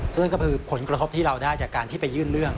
ซึ่งนั่นก็คือผลกระทบที่เราได้จากการที่ไปยื่นเรื่อง